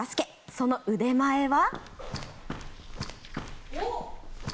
その腕前は？